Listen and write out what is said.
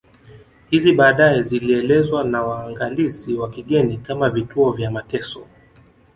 Hizi baadae zilielezewa na waangalizi wa kigeni kama vituo vya mateso